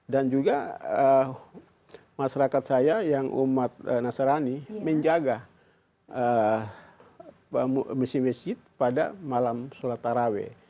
dan juga masyarakat saya yang umat nasarani menjaga mesin masjid pada malam sholat taraweh